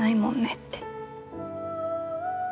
って。